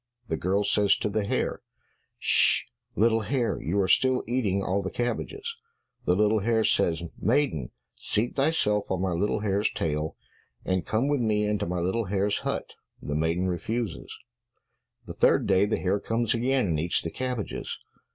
The girl says to the hare, "Sh sh, little hare, you are still eating all the cabbages." The little hare says, "Maiden, seat thyself on my little hare's tail, and come with me into my little hare's hut." The maiden refuses. The third day the hare comes again, and eats the cabbages.